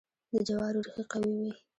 د جوارو ریښې قوي وي.